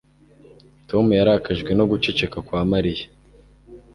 Tom yarakajwe no guceceka kwa Mariya